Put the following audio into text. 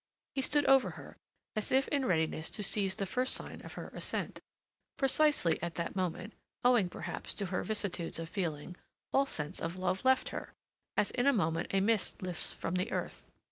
He stood over her, as if in readiness to seize the first sign of her assent. Precisely at that moment, owing, perhaps, to her vicissitudes of feeling, all sense of love left her, as in a moment a mist lifts from the earth.